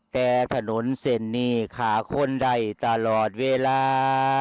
เด่นนี่ขาข้นใดตลอดเวลา